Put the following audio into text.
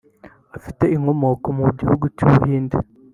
afite inkomoko mu gihugu cy’u Buhinde